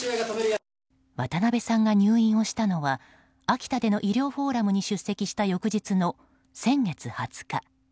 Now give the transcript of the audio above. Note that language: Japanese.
渡辺さんが入院をしたのは秋田での医療フォーラムに出席した翌日の先月２０日。